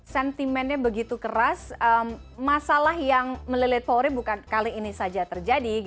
sentimennya begitu keras masalah yang melilit polri bukan kali ini saja terjadi